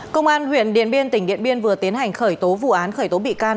công an huyện điện biên tỉnh điện biên vừa tiến hành khởi tố vụ án khởi tố bị can